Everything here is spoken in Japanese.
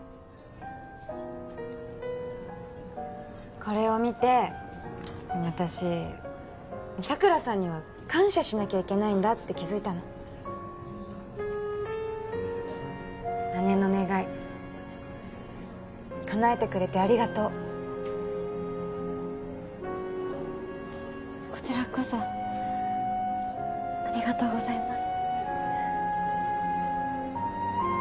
これを見て私佐倉さんには感謝しなきゃいけないんだって気づいたの姉の願いかなえてくれてありがとうこちらこそありがとうございます